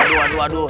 aduh aduh aduh